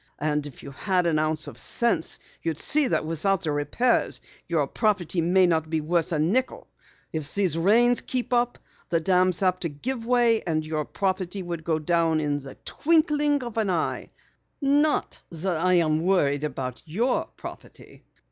"And if you had an ounce of sense, you'd see that without the repairs your property may not be worth a nickel! If these rains keep up, the dam's apt to give way, and your property would go in the twinkling of an eye. Not that I'm worried about your property.